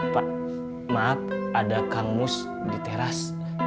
pak maaf ada kamus di teras